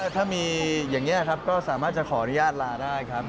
ถ้ามีอย่างนี้ครับก็สามารถจะขออนุญาตลาได้ครับ